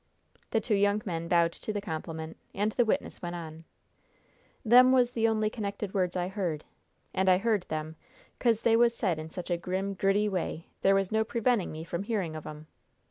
The two young men bowed to the compliment, and the witness went on: "Them was the only connected words I heard. And I heard them, 'cause they was said in such a grim, gritty way there was no preventing me from hearing of 'em.